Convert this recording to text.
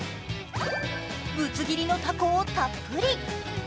ぶつ切りのたこをたっぷり。